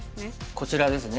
こちらですね。